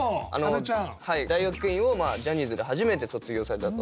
大学院をジャニーズで初めて卒業されたと。